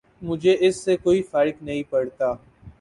مجھے اس سے کوئی فرق نہیں پڑتا۔